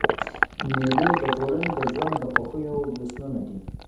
مېلې د ټولني د ژوند د خوښیو جشنونه دي.